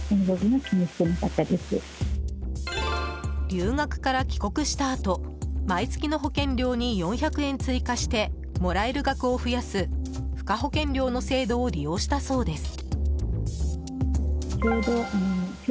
留学から帰国したあと毎月の保険料に４００円追加してもらえる額を増やす付加保険料の制度を利用したそうです。